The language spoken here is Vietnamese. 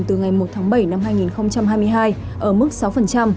từ ngày một tháng bảy năm hai nghìn hai mươi hai ở mức sáu